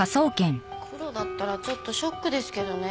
クロだったらちょっとショックですけどね。